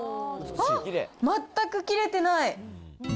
あっ、全く切れてない。